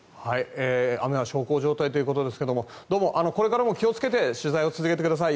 雨は小康状態ということですがこれからも気をつけて取材を続けてください。